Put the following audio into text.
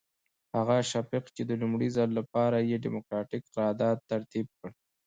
هغه شفیق چې د لومړي ځل لپاره یې ډیموکراتیک قرارداد ترتیب کړ.